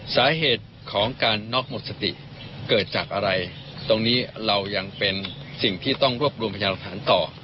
สาเหตุของการน็อกหมดสติเกิดจากอะไรตรงนี้เรายังเป็นสิ่งที่ต้องรวบรวมพยานหลักฐานต่อ